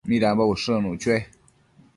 ¿Midambo ushëc icnuc chue?